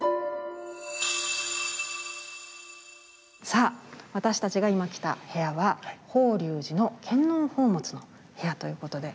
さあ私たちが今来た部屋は法隆寺の献納宝物の部屋ということで。